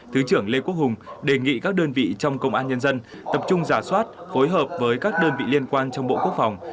thứ trưởng lê quốc hùng đề nghị các đơn vị trong công an nhân dân tập trung giả soát phối hợp với các đơn vị liên quan trong bộ quốc phòng